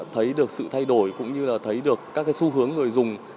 thấy được sự thay đổi cũng như là thấy được các cái xu hướng người dùng